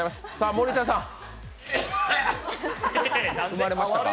森田さん、生まれましたか？